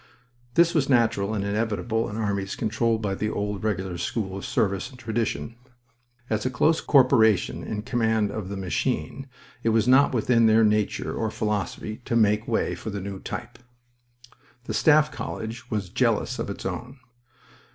This was natural and inevitable in armies controlled by the old Regular school of service and tradition. As a close corporation in command of the machine, it was not within their nature or philosophy to make way for the new type. The Staff College was jealous of its own.